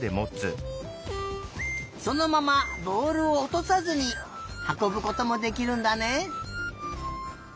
そのままぼおるをおとさずにはこぶこともできるんだね。